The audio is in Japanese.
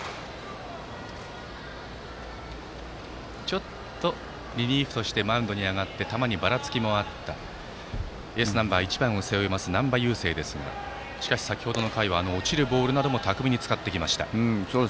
ちょっとリリーフとしてマウンドに上がって球にばらつきもあったエースナンバー１番を背負う難波佑聖ですが、先程の回は落ちるボールなども巧みに使ってきました。